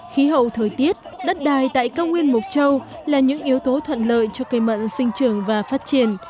khí hậu thời tiết đất đài tại cao nguyên mộc châu là những yếu tố thuận lợi cho cây mận sinh trường và phát triển